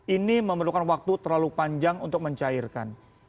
ini memerlukan waktu terlalu panjang untuk mencairkan